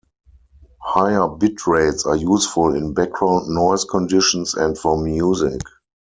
Higher bit rates are useful in background noise conditions and for music.